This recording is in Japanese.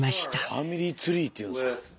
ファミリーツリーって言うんですか。